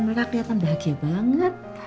melah kelihatan bahagia banget